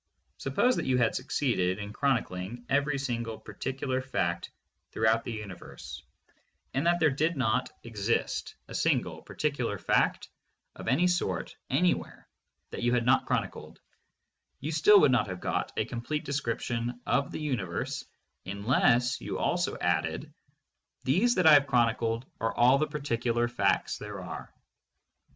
Suppose that you had succeeded in chronicling every single particular fact throughout the universe, and that there did not exist a single particular fact of any sort anywhere that you had not chronicled, you still would not have got a complete description of the uni verse unless you also added : "These that I have chronicled are all the particular facts there are."